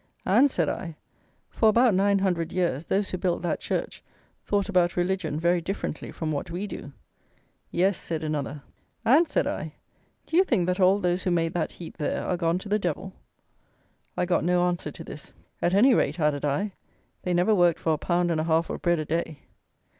"And," said I, "for about nine hundred years those who built that church thought about religion very differently from what we do." "Yes," said another. "And," said I, "do you think that all those who made that heap there are gone to the devil?" I got no answer to this. "At any rate," added I, "they never worked for a pound and a half of bread a day."